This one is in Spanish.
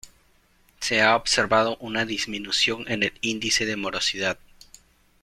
Se ha observado una disminución en el índice de morosidad.